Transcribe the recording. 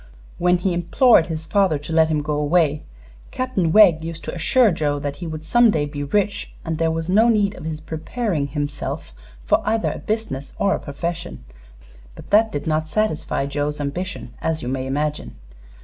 "When he implored his father to let him go away, Captain Wegg used to assure Joe that he would some day be rich, and there was no need of his preparing himself for either a business or a profession; but that did not satisfy Joe's ambition, as you may imagine.